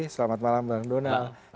selamat malam bang donald